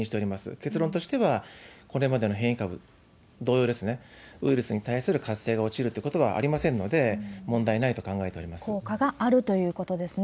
結論としては、これまでの変異株同様、ウイルスに対する活性が落ちるということはありませんので、効果があるということですね。